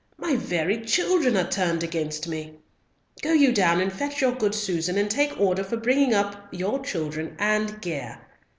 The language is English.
My very children are turned against me. Go you down and fetch your good Susan, and take order for bringing up your children and gear.